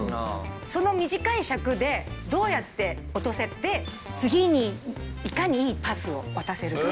その短い尺でどうやって落とせて次にいかにいいパスを渡せるか。